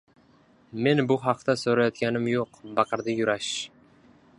– Men bu haqda soʻrayotganim yoʻq! – baqirdi Yurash.